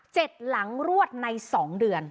เจ็ดหลังรวดใน๒เดือน